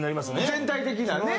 全体的なね。